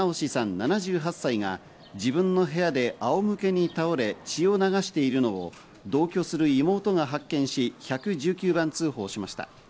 ７８歳が自分の部屋で仰向けに倒れ、血を流しているのを同居する妹が発見し、１１９番通報しました。